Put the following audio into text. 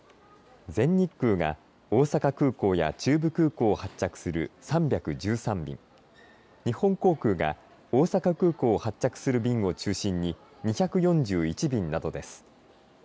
全日空が大阪空港や中部空港を発着する３１３便、日本航空が大阪空港を発着する便を中心に２４１便などです。